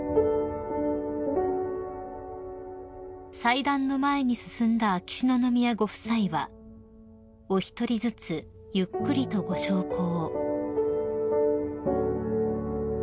［祭壇の前に進んだ秋篠宮ご夫妻はお一人ずつゆっくりとご焼香］